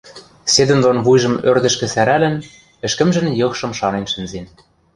Седӹндон вуйжым ӧрдӹшкӹ сӓрӓлӹн, ӹшкӹмжӹн йыхшым шанен шӹнзен.